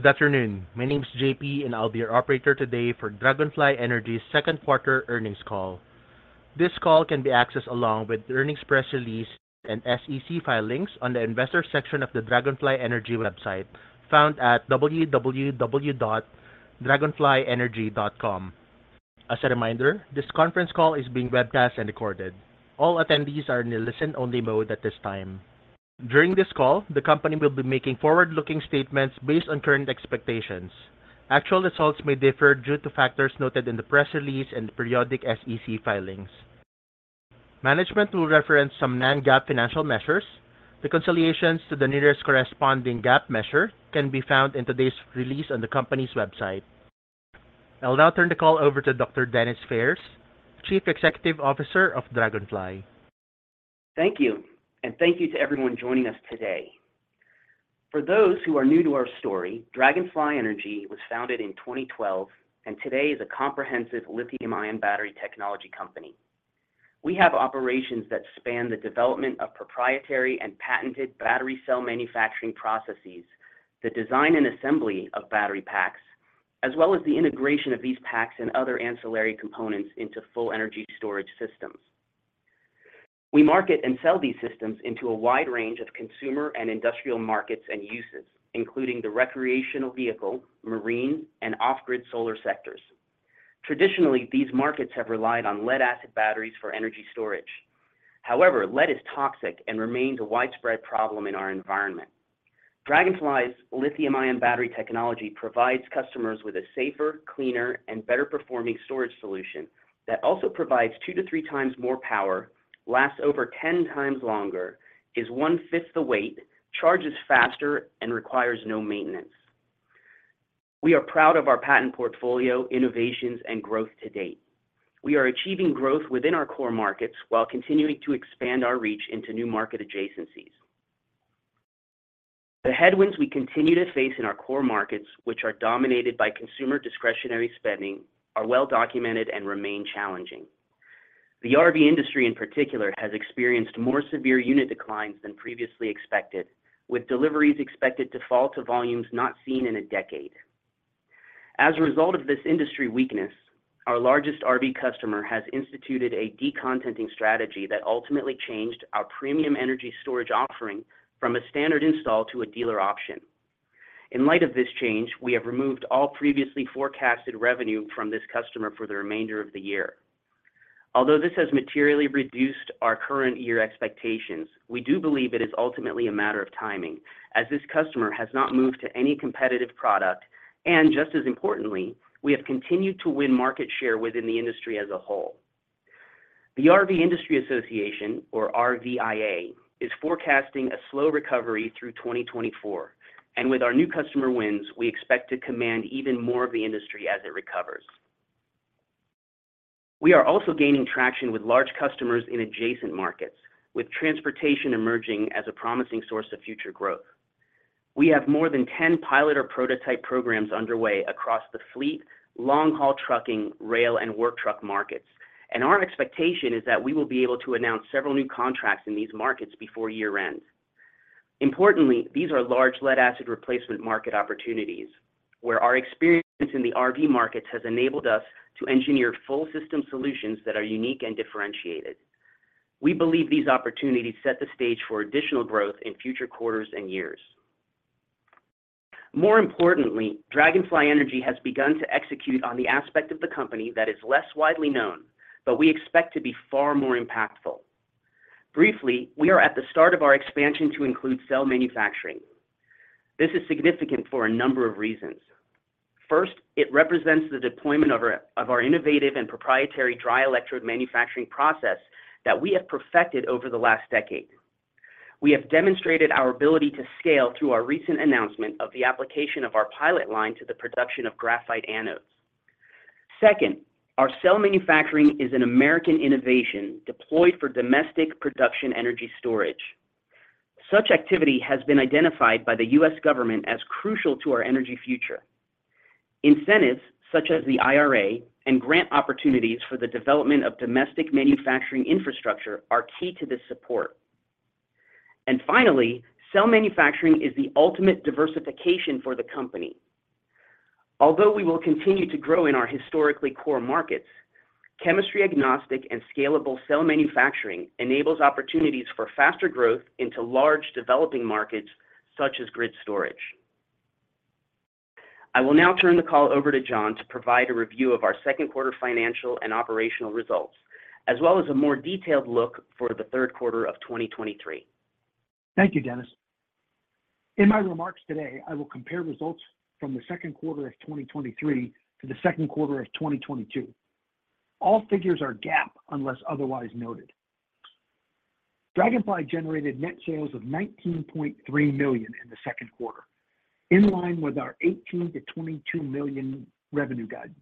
Good afternoon. My name is J.P., and I'll be your operator today for Dragonfly Energy's Q2 earnings call. This call can be accessed along with the earnings press release and SEC filings on the investor section of the Dragonfly Energy website, found at www.dragonflyenergy.com. As a reminder, this conference call is being webcast and recorded. All attendees are in a listen-only mode at this time. During this call, the company will be making forward-looking statements based on current expectations. Actual results may differ due to factors noted in the press release and periodic SEC filings. Management will reference some non-GAAP financial measures. Reconciliations to the nearest corresponding GAAP measure can be found in today's release on the company's website. I'll now turn the call over to Dr. Denis Phares, Chief Executive Officer of Dragonfly. Thank you, thank you to everyone joining us today. For those who are new to our story, Dragonfly Energy was founded in 2012, today is a comprehensive lithium-ion battery technology company. We have operations that span the development of proprietary and patented battery cell manufacturing processes, the design and assembly of battery packs, as well as the integration of these packs and other ancillary components into full energy storage systems. We market and sell these systems into a wide range of consumer and industrial markets and uses, including the recreational vehicle, marine, and off-grid solar sectors. Traditionally, these markets have relied on lead-acid batteries for energy storage. However, lead is toxic and remains a widespread problem in our environment. Dragonfly's lithium-ion battery technology provides customers with a safer, cleaner, and better-performing storage solution that also provides two to three times more power, lasts over 10 times longer, is one-fifth the weight, charges faster, and requires no maintenance. We are proud of our patent portfolio, innovations, and growth to date. We are achieving growth within our core markets while continuing to expand our reach into new market adjacencies. The headwinds we continue to face in our core markets, which are dominated by consumer discretionary spending, are well documented and remain challenging. The RV industry, in particular, has experienced more severe unit declines than previously expected, with deliveries expected to fall to volumes not seen in a decade. As a result of this industry weakness, our largest RV customer has instituted a decontenting strategy that ultimately changed our premium energy storage offering from a standard install to a dealer option. In light of this change, we have removed all previously forecasted revenue from this customer for the remainder of the year. Although this has materially reduced our current year expectations, we do believe it is ultimately a matter of timing, as this customer has not moved to any competitive product, and just as importantly, we have continued to win market share within the industry as a whole. The Recreation Vehicle Industry Association, or RVIA, is forecasting a slow recovery through 2024. With our new customer wins, we expect to command even more of the industry as it recovers. We are also gaining traction with large customers in adjacent markets, with transportation emerging as a promising source of future growth. We have more than 10 pilot or prototype programs underway across the fleet, long-haul trucking, rail, and work truck markets. Our expectation is that we will be able to announce several new contracts in these markets before year-end. Importantly, these are large lead-acid replacement market opportunities, where our experience in the RV markets has enabled us to engineer full system solutions that are unique and differentiated. We believe these opportunities set the stage for additional growth in future quarters and years. More importantly, Dragonfly Energy has begun to execute on the aspect of the company that is less widely known, but we expect to be far more impactful. Briefly, we are at the start of our expansion to include cell manufacturing. This is significant for a number of reasons. First, it represents the deployment of our innovative and proprietary dry electrode manufacturing process that we have perfected over the last decade. We have demonstrated our ability to scale through our recent announcement of the application of our pilot line to the production of graphite anodes. Second, our cell manufacturing is an American innovation deployed for domestic production energy storage. Such activity has been identified by the U.S. government as crucial to our energy future. Incentives such as the IRA and grant opportunities for the development of domestic manufacturing infrastructure are key to this support. Finally, cell manufacturing is the ultimate diversification for the company. Although we will continue to grow in our historically core markets, chemistry-agnostic and scalable cell manufacturing enables opportunities for faster growth into large developing markets such as grid storage. I will now turn the call over to John to provide a review of our Q2 financial and operational results, as well as a more detailed look for the Q3 of 2023. Thank you, Denis. In my remarks today, I will compare results from the Q2 of 2023 to the Q2 of 2022. All figures are GAAP unless otherwise noted. Dragonfly generated net sales of $19.3 million in the Q2, in line with our $18 million-$22 million revenue guidance.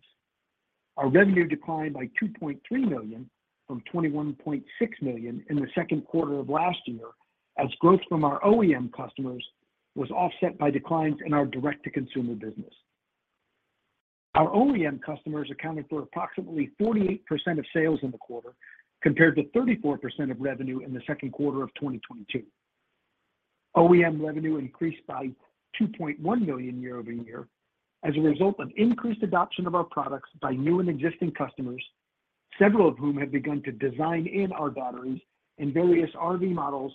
Our revenue declined by $2.3 million from $21.6 million in the Q2 of last year, as growth from our OEM customers was offset by declines in our direct-to-consumer business. Our OEM customers accounted for approximately 48% of sales in the quarter, compared to 34% of revenue in the Q2 of 2022. OEM revenue increased by $2.1 million year-over-year as a result of increased adoption of our products by new and existing customers, several of whom have begun to design in our batteries in various RV models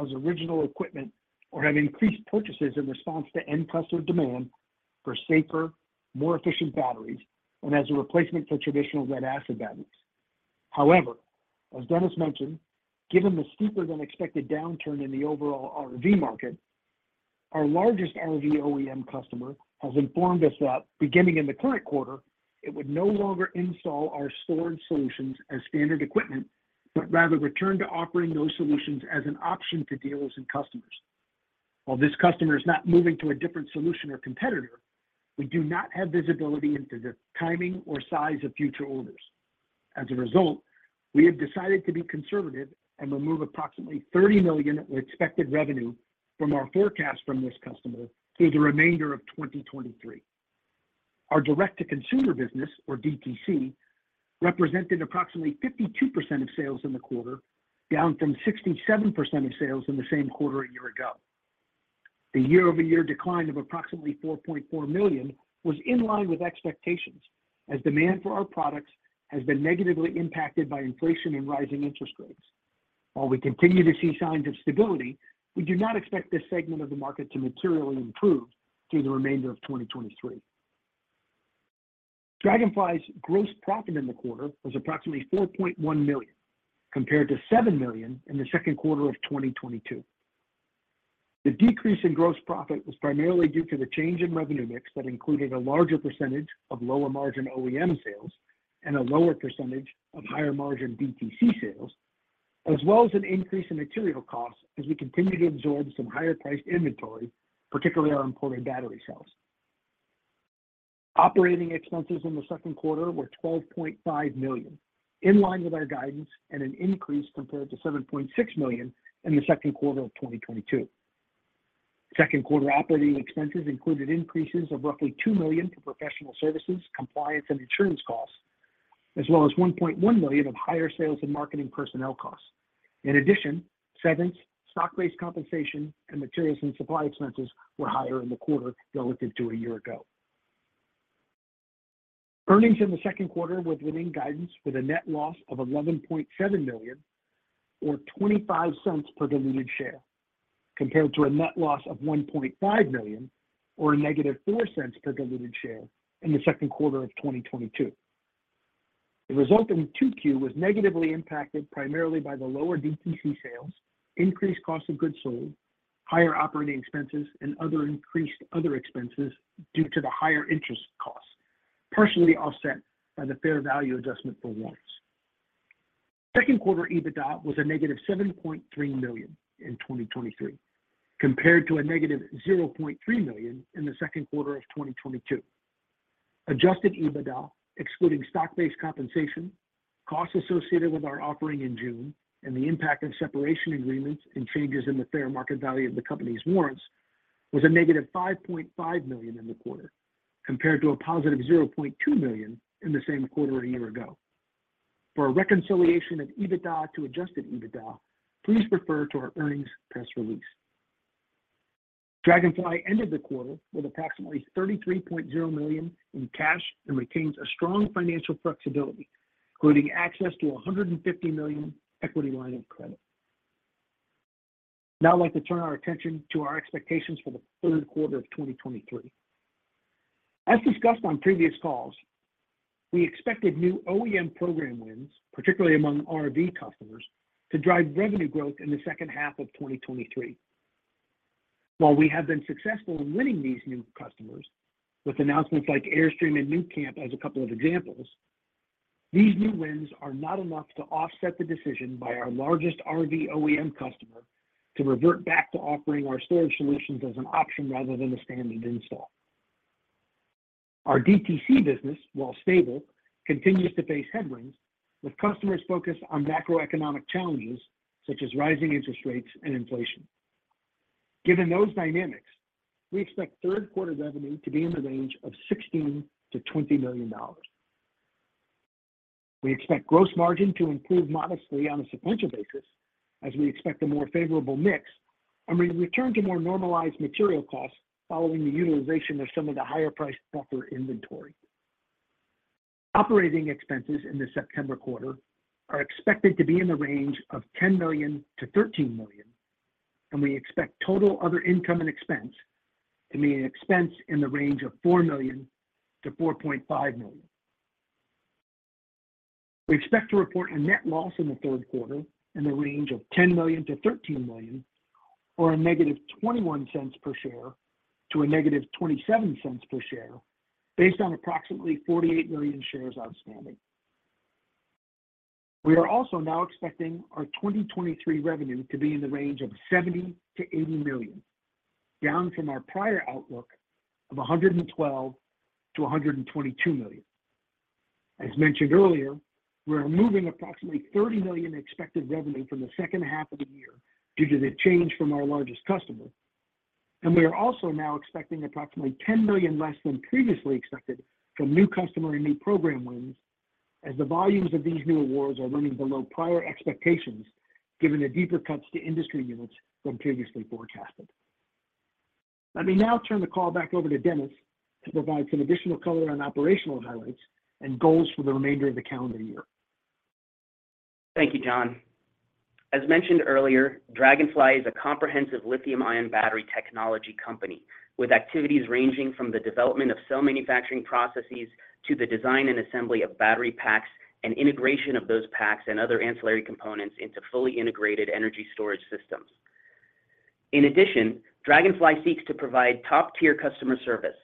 as original equipment, or have increased purchases in response to end customer demand for safer, more efficient batteries and as a replacement for traditional lead-acid batteries. As Denis mentioned, given the steeper than expected downturn in the overall RV market, our largest RV OEM customer has informed us that beginning in the current quarter, it would no longer install our storage solutions as standard equipment, but rather return to offering those solutions as an option to dealers and customers. While this customer is not moving to a different solution or competitor, we do not have visibility into the timing or size of future orders. As a result, we have decided to be conservative and remove approximately $30 million with expected revenue from our forecast from this customer through the remainder of 2023. Our direct to consumer business, or DTC, represented approximately 52% of sales in the quarter, down from 67% of sales in the same quarter a year ago. The year-over-year decline of approximately $4.4 million was in line with expectations, as demand for our products has been negatively impacted by inflation and rising interest rates. While we continue to see signs of stability, we do not expect this segment of the market to materially improve through the remainder of 2023. Dragonfly's gross profit in the quarter was approximately $4.1 million, compared to $7 million in the Q2 of 2022. The decrease in gross profit was primarily due to the change in revenue mix, that included a larger percentage of lower margin OEM sales and a lower percentage of higher margin DTC sales, as well as an increase in material costs as we continue to absorb some higher priced inventory, particularly our imported battery cells. Operating expenses in the Q2 were $12.5 million, in line with our guidance and an increase compared to $7.6 million in the Q2 of 2022. Q2 operating expenses included increases of roughly $2 million for professional services, compliance and insurance costs, as well as $1.1 million of higher sales and marketing personnel costs. In addition, severance, stock-based compensation, and materials and supply expenses were higher in the quarter relative to a year ago. Earnings in the Q2 was within guidance for the net loss of $11.7 million, or $0.25 per diluted share, compared to a net loss of $1.5 million, or -$0.04 per diluted share in the Q2 of 2022. The result in 2Q was negatively impacted, primarily by the lower DTC sales, increased cost of goods sold, higher operating expenses, and other increased other expenses due to the higher interest costs, partially offset by the fair value adjustment for warrants. Q2 EBITDA was -$7.3 million in 2023, compared to -$0.3 million in the Q2 of 2022. Adjusted EBITDA, excluding stock-based compensation, costs associated with our offering in June, and the impact of separation agreements and changes in the fair market value of the company's warrants, was a negative $5.5 million in the quarter, compared to a positive $0.2 million in the same quarter a year ago. For a reconciliation of EBITDA to adjusted EBITDA, please refer to our earnings press release. Dragonfly ended the quarter with approximately $33.0 million in cash and retains a strong financial flexibility, including access to a $150 million equity line of credit. I'd like to turn our attention to our expectations for the Q3 of 2023. As discussed on previous calls, we expected new OEM program wins, particularly among RV customers, to drive revenue growth in the second half of 2023. While we have been successful in winning these new customers, with announcements like Airstream and nuCamp as a couple of examples, these new wins are not enough to offset the decision by our largest RV OEM customer to revert back to offering our storage solutions as an option rather than a standard install. Our DTC business, while stable, continues to face headwinds, with customers focused on macroeconomic challenges such as rising interest rates and inflation. Given those dynamics, we expect Q3 revenue to be in the range of $16 million-$20 million. We expect gross margin to improve modestly on a sequential basis, as we expect a more favorable mix and we return to more normalized material costs following the utilization of some of the higher priced buffer inventory. Operating expenses in the September quarter are expected to be in the range of $10 million-$13 million. We expect total other income and expense to be an expense in the range of $4 million-$4.5 million. We expect to report a net loss in the Q3 in the range of $10 million-$13 million, or a -$0.21 per share to -$0.27 per share, based on approximately 48 million shares outstanding. We are also now expecting our 2023 revenue to be in the range of $70 million-$80 million, down from our prior outlook of $112 million-$122 million. As mentioned earlier, we are removing approximately $30 million expected revenue from the second half of the year due to the change from our largest customer. We are also now expecting approximately $10 million less than previously expected from new customer and new program wins, as the volumes of these new awards are running below prior expectations, given the deeper cuts to industry units than previously forecasted. Let me now turn the call back over to Denis to provide some additional color on operational highlights and goals for the remainder of the calendar year. Thank you, John. As mentioned earlier, Dragonfly is a comprehensive lithium-ion battery technology company, with activities ranging from the development of cell manufacturing processes to the design and assembly of battery packs, and integration of those packs and other ancillary components into fully integrated energy storage systems. In addition, Dragonfly seeks to provide top-tier customer service.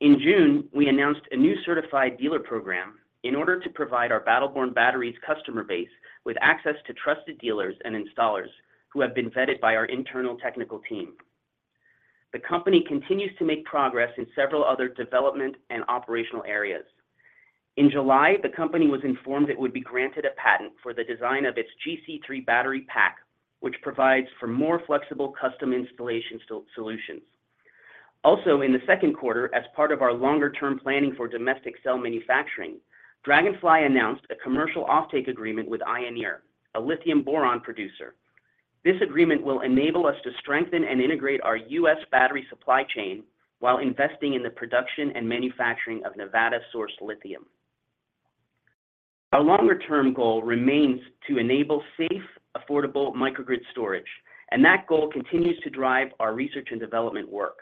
In June, we announced a new Certified Dealer Program in order to provide our Battle Born Batteries customer base with access to trusted dealers and installers who have been vetted by our internal technical team. The company continues to make progress in several other development and operational areas. In July, the company was informed it would be granted a patent for the design of its GC3 battery pack, which provides for more flexible custom installation solutions. Also, in the Q2, as part of our longer-term planning for domestic cell manufacturing, Dragonfly announced a commercial offtake agreement with Ioneer, a lithium-boron producer. This agreement will enable us to strengthen and integrate our U.S. battery supply chain while investing in the production and manufacturing of Nevada-sourced lithium. Our longer-term goal remains to enable safe, affordable microgrid storage, and that goal continues to drive our research and development work.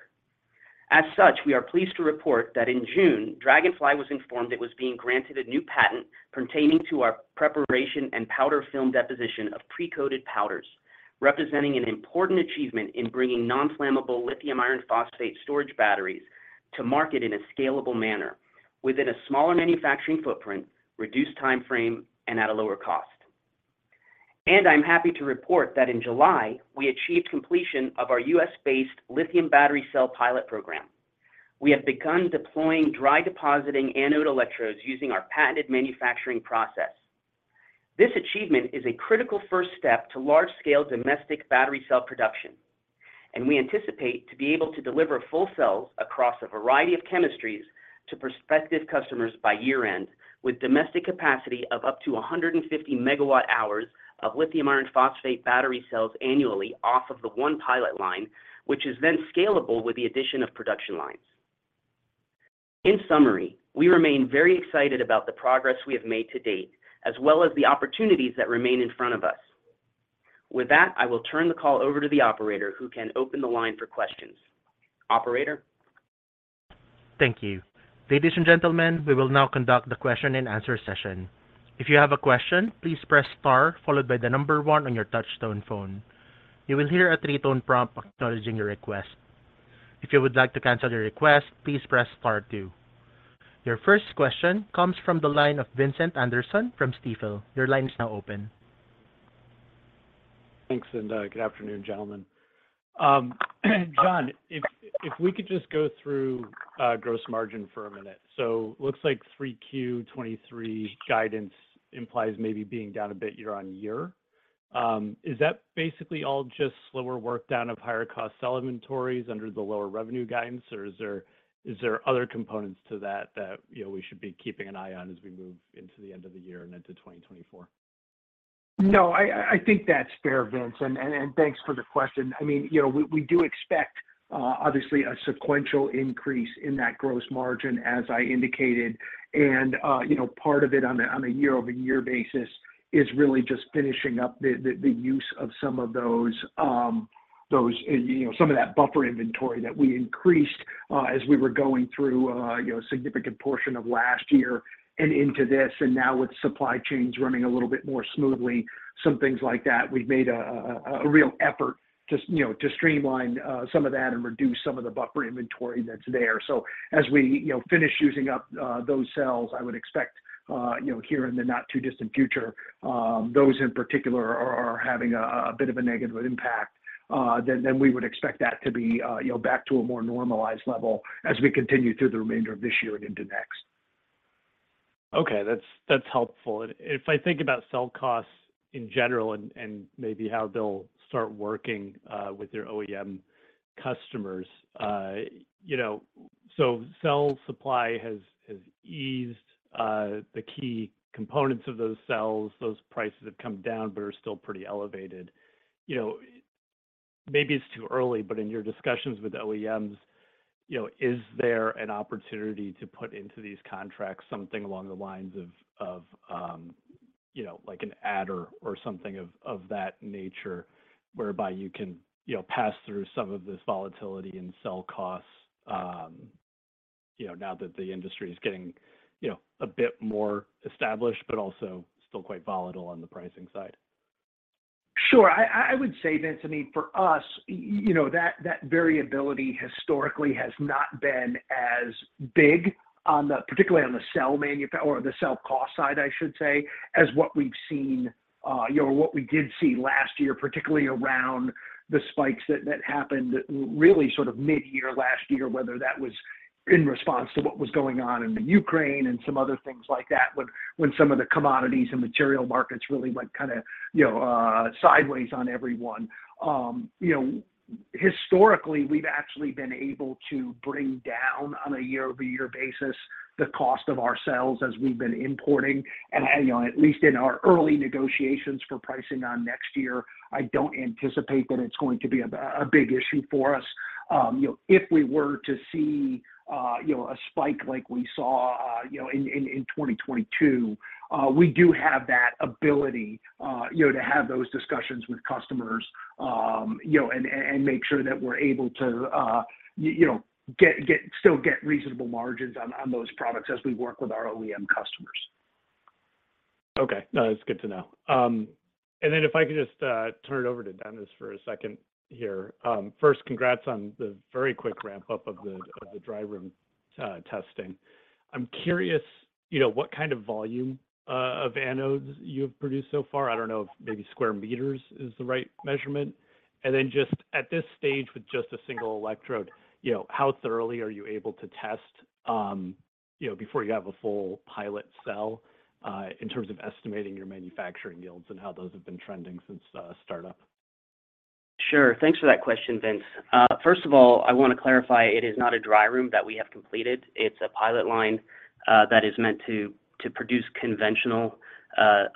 As such, we are pleased to report that in June, Dragonfly was informed it was being granted a new patent pertaining to our preparation and powder film deposition of pre-coated powders, representing an important achievement in bringing non-flammable lithium iron phosphate storage batteries to market in a scalable manner within a smaller manufacturing footprint, reduced time frame, and at a lower cost. I'm happy to report that in July, we achieved completion of our U.S.-based lithium battery cell pilot program. We have begun deploying dry depositing anode electrodes using our patented manufacturing process. This achievement is a critical first step to large-scale domestic battery cell production, and we anticipate to be able to deliver full cells across a variety of chemistries to prospective customers by year-end, with domestic capacity of up to 150 megawatt hours of lithium iron phosphate battery cells annually off of the one pilot line, which is then scalable with the addition of production lines. In summary, we remain very excited about the progress we have made to date, as well as the opportunities that remain in front of us. With that, I will turn the call over to the operator, who can open the line for questions. Operator? Thank you. Ladies and gentlemen, we will now conduct the question-and-answer session. If you have a question, please press star followed by 1 on your touchtone phone. You will hear a 3-tone prompt acknowledging your request. If you would like to cancel your request, please press star 2. Your first question comes from the line of Vincent Anderson from Stifel. Your line is now open. Thanks, good afternoon, gentlemen. John, if we could just go through gross margin for a minute. Looks like 3Q 2023 guidance implies maybe being down a bit year-on-year. Is that basically all just slower work down of higher cost cell inventories under the lower revenue guidance, or is there other components to that, that we should be keeping an eye on as we move into the end of the year and into 2024? No, I think that's fair, Vince, and, and, and thanks for the question. I mean we, we do expect, obviously a sequential increase in that gross margin, as I indicated., part of it on a, on a year-over-year basis is really just finishing up the, the, the use of some of those, those..., some of that buffer inventory that we increased, as we were going through a significant portion of last year and into this. Now with supply chains running a little bit more smoothly, some things like that, we've made a, a, a, a real effort to to streamline, some of that and reduce some of the buffer inventory that's there. As we finish using up, those cells, I would expect here in the not-too-distant future, those in particular are having a bit of a negative impact, then we would expect that to be back to a more normalized level as we continue through the remainder of this year and into next. Okay, that's, that's helpful. If I think about cell costs in general and, and maybe how they'll start working with your OEM customers so cell supply has, has eased, the key components of those cells. Those prices have come down but are still pretty elevated., maybe it's too early, but in your discussions with OEMs is there an opportunity to put into these contracts something along the lines of, of like an adder or something of, of that nature, whereby you can pass through some of this volatility in cell costs now that the industry is getting a bit more established, but also still quite volatile on the pricing side? Sure. I would say, Vincent, I mean, for us that, that variability historically has not been as big particularly on the cell or the cell cost side, I should say, as what we've seen or what we did see last year, particularly around the spikes that, that happened really sort of mid-year last year, whether that was in response to what was going on in the Ukraine and some other things like that, when, when some of the commodities and material markets really went kind of sideways on everyone., historically, we've actually been able to bring down on a year-over-year basis the cost of our sales as we've been importing., at least in our early negotiations for pricing on next year, I don't anticipate that it's going to be a big issue for us., if we were to see a spike like we saw in 2022, we do have that ability to have those discussions with customers and make sure that we're able to still get reasonable margins on those products as we work with our OEM customers. Okay. No, it's good to know. If I could just turn it over to Denis for a second here. First, congrats on the very quick ramp-up of the, of the dry room testing. I'm curious what kind of volume of anodes you've produced so far? I don't know if maybe square meters is the right measurement. Just at this stage, with just a single electrode how thoroughly are you able to test before you have a full pilot cell in terms of estimating your manufacturing yields and how those have been trending since startup? Sure. Thanks for that question, Vince. First of all, I want to clarify, it is not a dry room that we have completed. It's a pilot line that is meant to, to produce conventional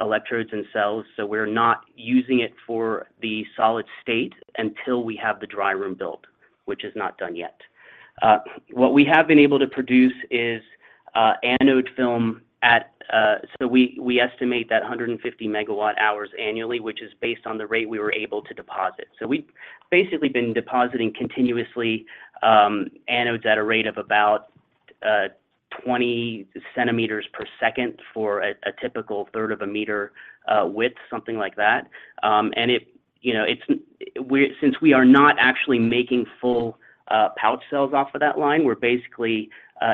electrodes and cells. We're not using it for the solid-state until we have the dry room built, which is not done yet. What we have been able to produce is anode film at... We, we estimate that 150 megawatt-hours annually, which is based on the rate we were able to deposit. We've basically been depositing continuously, anodes at a rate of about 20 centimeters per second for a, a typical third of a meter width, something like that. it it's we since we are not actually making full pouch cells off of that line, we're basically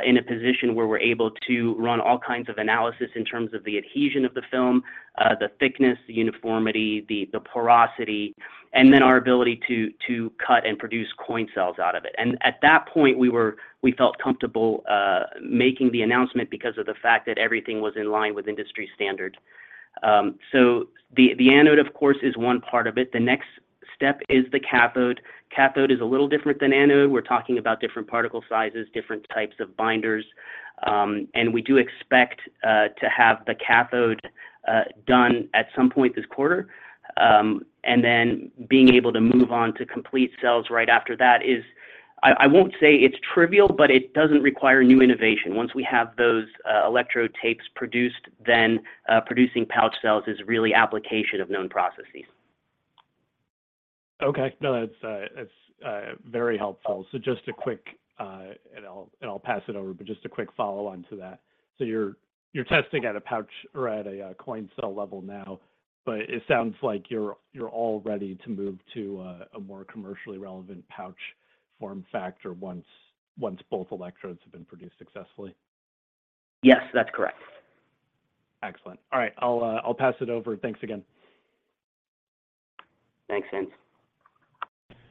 in a position where we're able to run all kinds of analysis in terms of the adhesion of the film, the thickness, the uniformity, the porosity, and then our ability to cut and produce coin cells out of it. At that point, we felt comfortable making the announcement because of the fact that everything was in line with industry standard. The anode, of course, is one part of it. The next step is the cathode. Cathode is a little different than anode. We're talking about different particle sizes, different types of binders. We do expect to have the cathode done at some point this quarter. Then being able to move on to complete cells right after that is, I, I won't say it's trivial, but it doesn't require new innovation. Once we have those electrode tapes produced, then producing pouch cells is really application of known processes. Okay. No, that's very helpful. Just a quick and I'll pass it over, but just a quick follow-on to that. You're, you're testing at a pouch or at a coin cell level now, but it sounds like you're, you're all ready to move to a more commercially relevant pouch form factor once, once both electrodes have been produced successfully. Yes, that's correct. Excellent. All right, I'll pass it over. Thanks again. Thanks, Vince.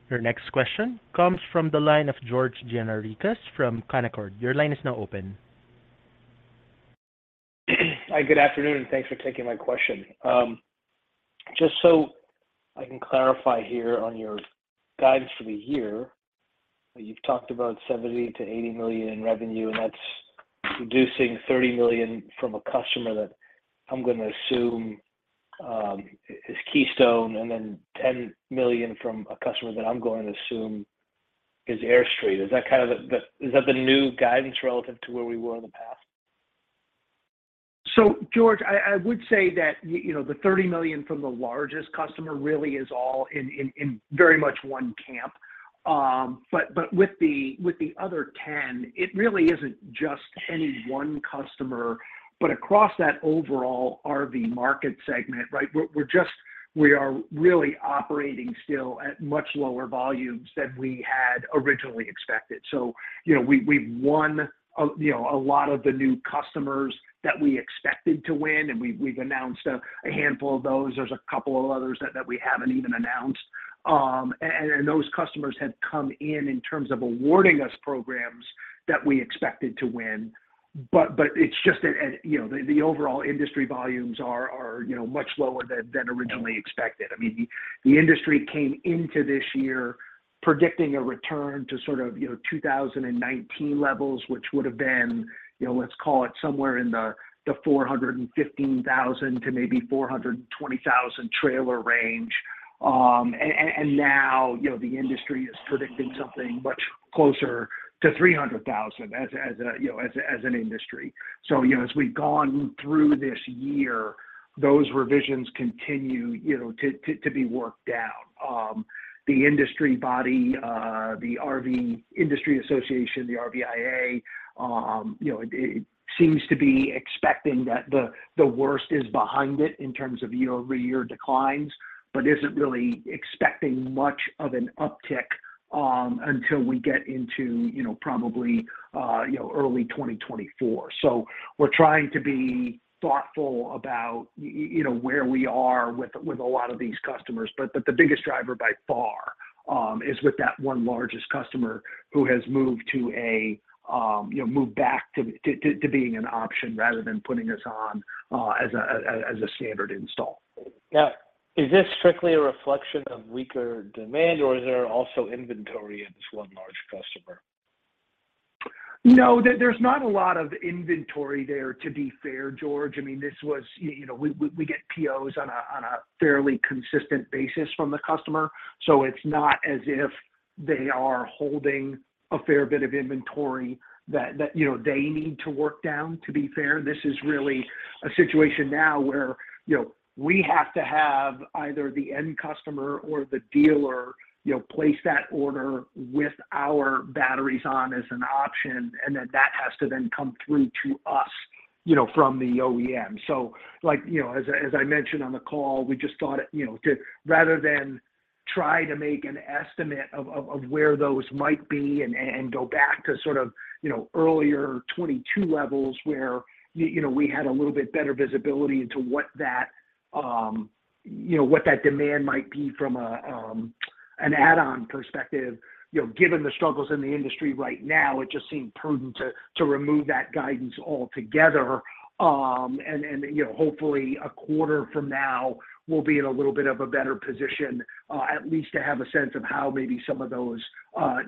Your next question comes from the line of George Gianarikas from Canaccord. Your line is now open. Hi, good afternoon, and thanks for taking my question. Just so I can clarify here on your guidance for the year, you've talked about $70 million-$80 million in revenue, and that's reducing $30 million from a customer that I'm going to assume is Keystone, and then $10 million from a customer that I'm going to assume is Airstream. Is that kind of is that the new guidance relative to where we were in the past? George, I, I would say that, the $30 million from the largest customer really is all in, in, in very much one camp. With the, with the other 10, it really isn't just any one customer, but across that overall RV market segment, right? We're, we're just-- we are really operating still at much lower volumes than we had originally expected., we've, we've won a lot of the new customers that we expected to win, and we've, we've announced a, a handful of those. There's a couple of others that, that we haven't even announced. Those customers have come in, in terms of awarding us programs that we expected to win. But, it's just that, and the, the overall industry volumes are, are much lower than, than originally expected. I mean, the, the industry came into this year predicting a return to sort of 2019 levels, which would have been let's call it somewhere in the, the 415,000 to maybe 420,000 trailer range. now the industry is predicting something much closer to 300,000 as a, as a as a, as an industry., as we've gone through this year, those revisions continue to be worked out. The industry body, the Recreation Vehicle Industry Association, the rvia it, it seems to be expecting that the, the worst is behind it in terms of year-over-year declines, but isn't really expecting much of an uptick, until we get into probably early 2024. We're trying to be thoughtful about, where we are with, with a lot of these customers. The biggest driver by far is with that one largest customer who has moved to a moved back to, to, to, to being an option rather than putting us on as a standard install. Now, is this strictly a reflection of weaker demand, or is there also inventory in this one large customer? No, there, there's not a lot of inventory there, to be fair, George. I mean, this was we, we, we get POs on a, on a fairly consistent basis from the customer, so it's not as if they are holding a fair bit of inventory that, that they need to work down. To be fair, this is really a situation now where we have to have either the end customer or the dealer place that order with our batteries on as an option, and then that has to then come through to us from the OEM. like as I, as I mentioned on the call, we just thought to rather than try to make an estimate of, of, of where those might be and, and go back to sort of earlier 2022 levels where, we had a little bit better visibility into what that what that demand might be from an add-on perspective., given the struggles in the industry right now, it just seemed prudent to, to remove that guidance altogether. And, and hopefully a quarter from now we'll be in a little bit of a better position, at least to have a sense of how maybe some of those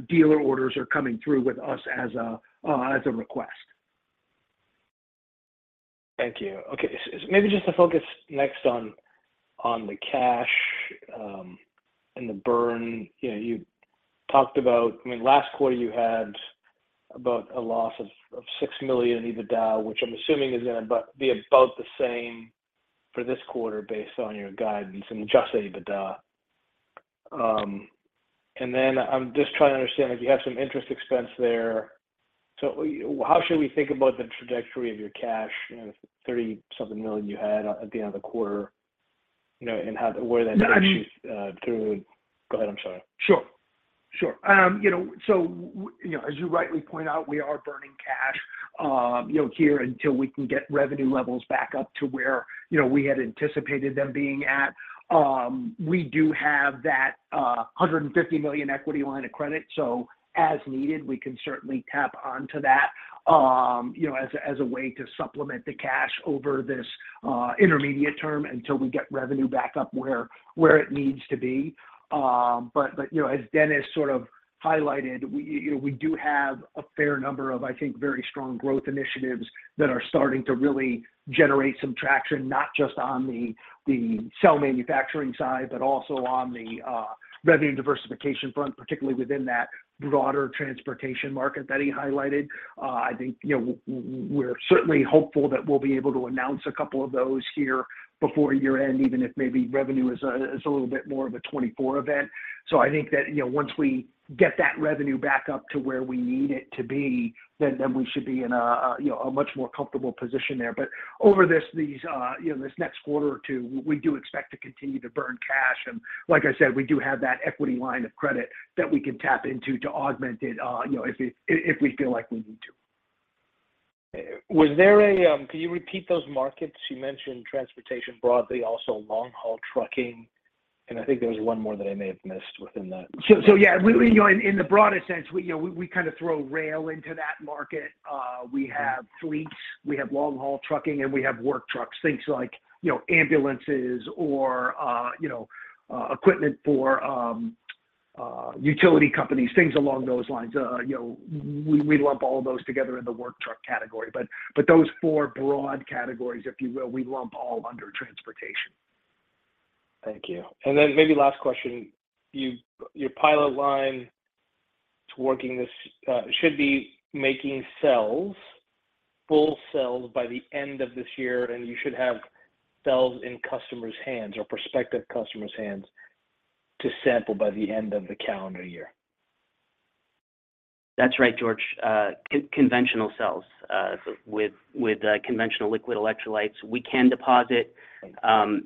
dealer orders are coming through with us as a request. Thank you. Okay, maybe just to focus next on the cash and the burn., you talked about. I mean, last quarter you had about a loss of $6 million in EBITDA, which I'm assuming is gonna be about the same for this quarter based on your guidance and adjusted EBITDA. And then I'm just trying to understand, like you have some interest expense there. How should we think about the trajectory of your cash $30-something million you had at the end of the quarter and how, where that- No, I mean. through... Go ahead, I'm sorry. Sure, sure., so as you rightly point out, we are burning cash here until we can get revenue levels back up to where we had anticipated them being at. We do have that $150 million equity line of credit, so as needed, we can certainly tap on to that as a, as a way to supplement the cash over this intermediate term until we get revenue back up where, where it needs to be. but as Denis sort of highlighted, we we do have a fair number of, I think, very strong growth initiatives that are starting to really generate some traction, not just on the cell manufacturing side, but also on the revenue diversification front, particularly within that broader transportation market that he highlighted. I think we're certainly hopeful that we'll be able to announce a couple of those here before year-end, even if maybe revenue is a, is a little bit more of a 2024 event. I think that once we get that revenue back up to where we need it to be, then, then we should be in a, a a much more comfortable position there. Over this this next quarter or two, we do expect to continue to burn cash. Like I said, we do have that equity line of credit that we can tap into to augment it if we feel like we need to. Was there a, Can you repeat those markets? You mentioned transportation broadly, also long-haul trucking, and I think there was one more that I may have missed within that. So yeah, we in, in the broadest sense, we we, we kind of throw rail into that market. We have fleets, we have long-haul trucking, and we have work trucks. Things like ambulances or equipment for utility companies, things along those lines., we lump all those together in the work truck category. But those four broad categories, if you will, we lump all under transportation. Thank you. Then maybe last question: You, your pilot line to working this, should be making cells, full cells by the end of this year, and you should have cells in customers' hands or prospective customers' hands to sample by the end of the calendar year? That's right, George. conventional cells, with, with, conventional liquid electrolytes. We can deposit- Okay...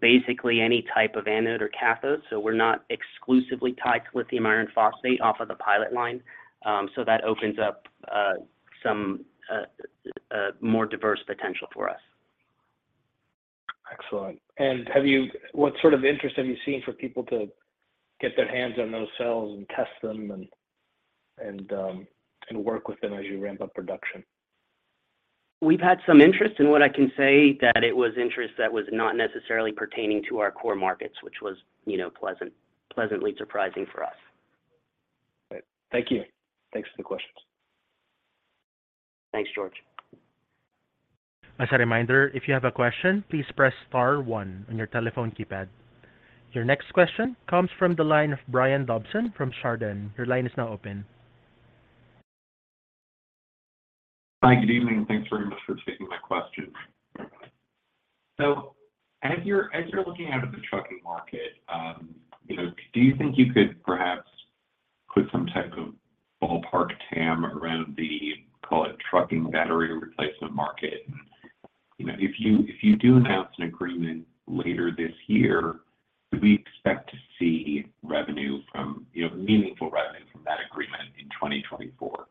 basically any type of anode or cathode, so we're not exclusively tied to lithium iron phosphate off of the pilot line. That opens up some more diverse potential for us. Excellent. What sort of interest have you seen for people to get their hands on those cells and test them and work with them as you ramp up production? We've had some interest, and what I can say, that it was interest that was not necessarily pertaining to our core markets, which was pleasantly surprising for us. Great. Thank you. Thanks for the questions. Thanks, George. As a reminder, if you have a question, please press star one on your telephone keypad. Your next question comes from the line of Brian Dobson from Chardan. Your line is now open. Hi, good evening, and thanks very much for taking my question. As you're looking out at the trucking market do you think you could perhaps put some type of ballpark TAM around the, call it, trucking battery replacement market?, if you, if you do announce an agreement later this year, do we expect to see revenue from, meaningful revenue from that agreement in 2024? ...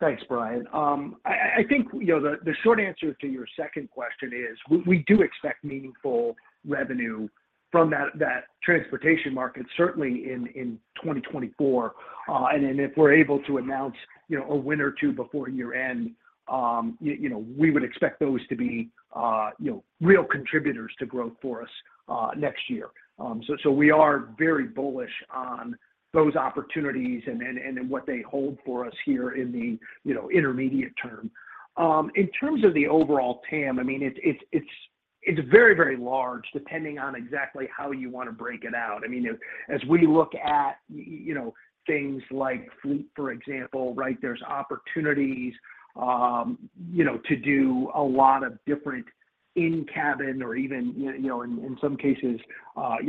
Thanks, Brian. I, I think the, the short answer to your second question is we, we do expect meaningful revenue from that, that transportation market, certainly in, in 2024. If we're able to announce a win or 2 before year-end, you we would expect those to be real contributors to growth for us, next year. We are very bullish on those opportunities and then, and what they hold for us here in the intermediate term. In terms of the overall TAM, I mean, it's, it's, it's, it's very, very large, depending on exactly how you wanna break it out. I mean, if as we look at things like fleet, for example, right? There's opportunities to do a lot of different in-cabin or even, you in, in some cases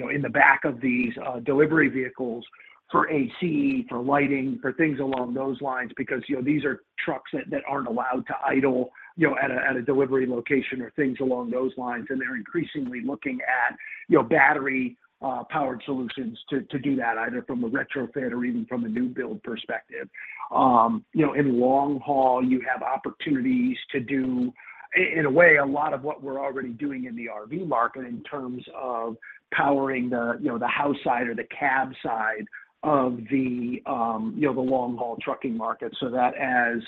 in the back of these, delivery vehicles for AC, for lighting, for things along those lines. because these are trucks that, that aren't allowed to idle at a, at a delivery location or things along those lines. They're increasingly looking at battery, powered solutions to, to do that, either from a retrofit or even from a new build perspective., in long haul, you have opportunities to do, in a way, a lot of what we're already doing in the RV market in terms of powering the the house side or the cab side of the the long haul trucking market. That as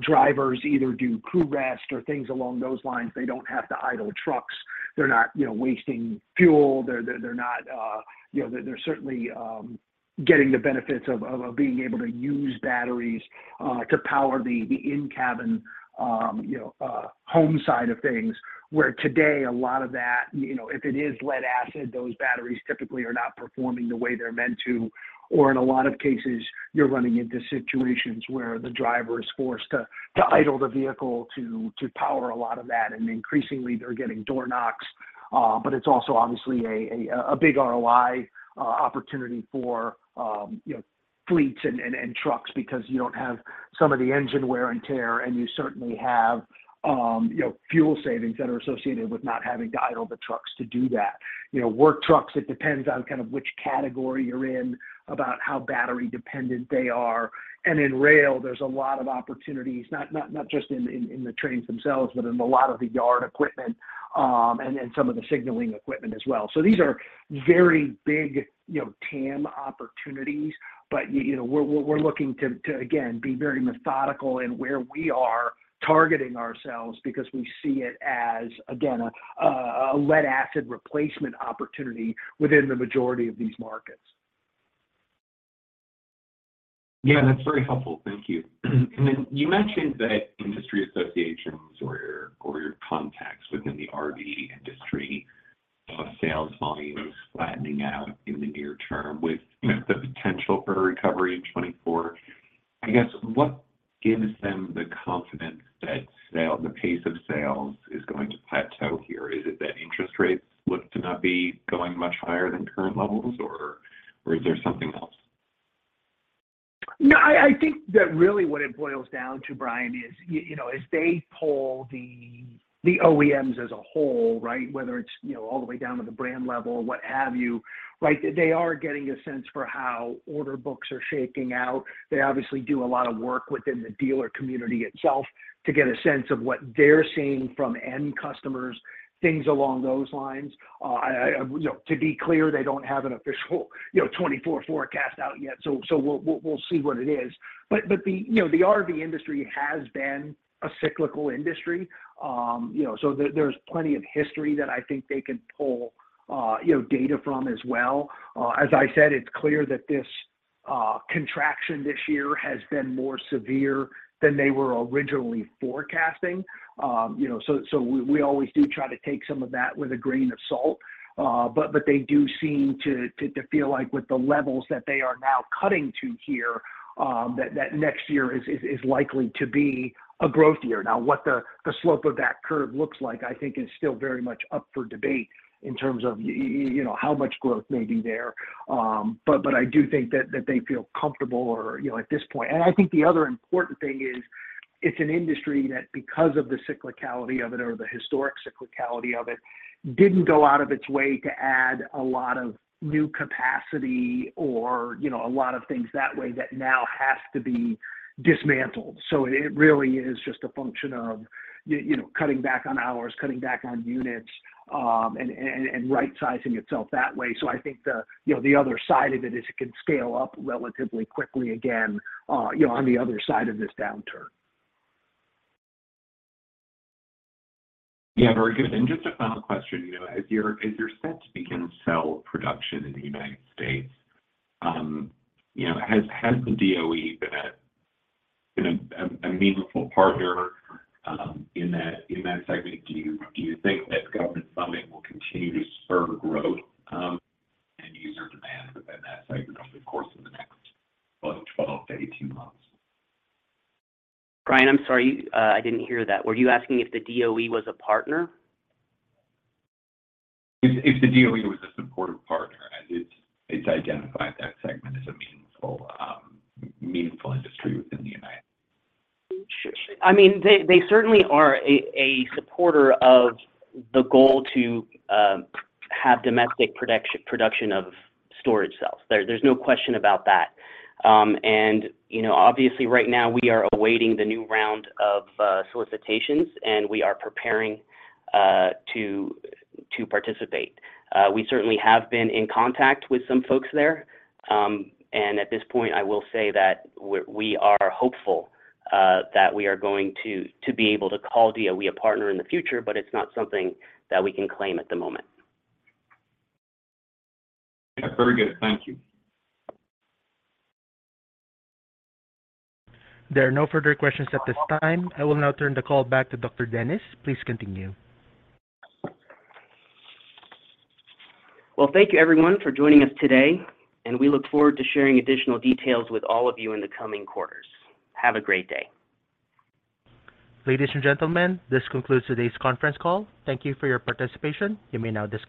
drivers either do crew rest or things along those lines, they don't have to idle trucks. They're not wasting fuel. They're, they're not they're, they're certainly getting the benefits of, of, of being able to use batteries to power the in-cabin home side of things. Where today, a lot of that if it is lead-acid, those batteries typically are not performing the way they're meant to. Or in a lot of cases, you're running into situations where the driver is forced to, to idle the vehicle to, to power a lot of that, and increasingly they're getting door knocks. It's also obviously a, a, a big ROI opportunity for fleets and, and, and trucks because you don't have some of the engine wear and tear, and you certainly have fuel savings that are associated with not having to idle the trucks to do that., work trucks, it depends on kind of which category you're in, about how battery dependent they are. In rail, there's a lot of opportunities, not, not, not just in, in, in the trains themselves, but in a lot of the yard equipment, and then some of the signaling equipment as well. These are very big TAM opportunities, but, you we're, we're looking to, to, again, be very methodical in where we are targeting ourselves because we see it as, again, a, a lead-acid replacement opportunity within the majority of these markets. Yeah, that's very helpful. Thank you. Then you mentioned that industry associations or, or your contacts within the RV industry, sales volumes flattening out in the near term with the potential for a recovery in 2024. I guess, what gives them the confidence that the pace of sales is going to plateau here? Is it that interest rates look to not be going much higher than current levels or, or is there something else? No, I, I think that really what it boils down to, Brian, is, as they poll the, the OEMs as a whole, right? Whether it's all the way down to the brand level or what have you, right? They are getting a sense for how order books are shaking out. They obviously do a lot of work within the dealer community itself to get a sense of what they're seeing from end customers, things along those lines. I, i to be clear, they don't have an official 24 forecast out yet, so, so we'll, we'll, we'll see what it is. the the RV industry has been a cyclical industry., so there, there's plenty of history that I think they can pull data from as well. As I said, it's clear that this contraction this year has been more severe than they were originally forecasting., so, so we, we always do try to take some of that with a grain of salt. But they do seem to, to, to feel like with the levels that they are now cutting to here, that, that next year is, is, is likely to be a growth year. Now, what the slope of that curve looks like, I think is still very much up for debate in terms of, how much growth may be there. But I do think that, that they feel comfortable or at this point... I think the other important thing is, it's an industry that because of the cyclicality of it or the historic cyclicality of it, didn't go out of its way to add a lot of new capacity or a lot of things that way that now has to be dismantled. It really is just a function of, cutting back on hours, cutting back on units, and, and, and right sizing itself that way. I think the the other side of it is it can scale up relatively quickly again on the other side of this downturn. Yeah, very good. Just a final question:, as you're set to begin cell production in the United states has the DOE been a meaningful partner in that segment? Do you think that government funding will continue to spur growth and user demand within that segment, of course, in the next, well, 12-18 months? Brian, I'm sorry, I didn't hear that. Were you asking if the DOE was a partner? If the DOE was a supportive partner, and it's identified that segment as a meaningful industry within the United States. Sure. I mean, they, they certainly are a, a supporter of the goal to have domestic production, production of storage cells. There's, there's no question about that. , obviously right now we are awaiting the new round of solicitations, and we are preparing to participate. We certainly have been in contact with some folks there. At this point, I will say that we, we are hopeful that we are going to be able to call DOE a partner in the future, but it's not something that we can claim at the moment. Very good. Thank you. There are no further questions at this time. I will now turn the call back to Dr. Denis. Please continue. Well, thank you everyone, for joining us today, and we look forward to sharing additional details with all of you in the coming quarters. Have a great day. Ladies and gentlemen, this concludes today's conference call. Thank you for your participation. You may now disconnect.